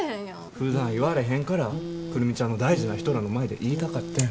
ふだん言われへんから久留美ちゃんの大事な人らの前で言いたかってん。